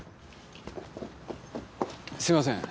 すみません。